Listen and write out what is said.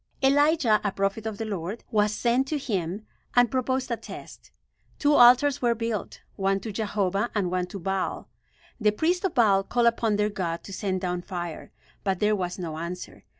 Elijah, a prophet of the Lord, was sent to him and proposed a test. Two altars were built; one to Jehovah and one to Baal. The priests of Baal called upon their god to send down fire; but there was no answer.